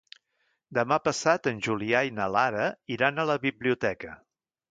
Demà passat en Julià i na Lara iran a la biblioteca.